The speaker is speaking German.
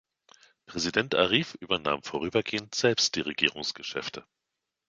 Präsident Arif übernahm vorübergehend selbst die Regierungsgeschäfte.